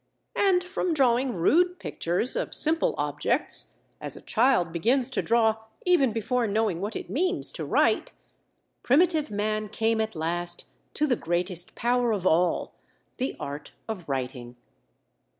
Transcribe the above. And from drawing rude pictures of simple objects, as a child begins to draw even before knowing what it means to write, primitive man came at last to the greatest power of all—the art of writing.